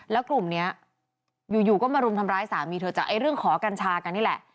แล้วกลุ่มนี้อยู่ก็มารุมทำร้ายสามีเธอจากเรื่องขอกัญชากันนี่แหละ